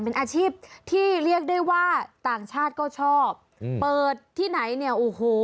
เป็นอาชีพที่เรียกได้ว่าต่างชาติก็ชอบเปิดที่ไหนเนี่ยโอ้โห